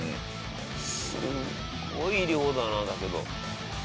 すごい量だなだけど。